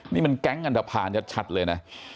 นี่มันแก๊งอันทภาณชัดเลยนะ